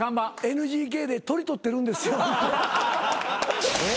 ＮＧＫでトリ取ってるんですよ。